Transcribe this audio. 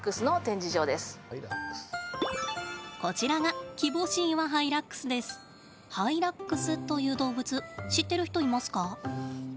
こちらがハイラックスという動物知ってる人いますか？